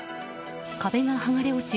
壁が剥がれ落ち